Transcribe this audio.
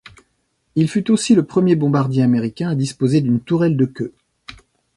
Il fut aussi le premier bombardier américain à disposer d’une tourelle de queue.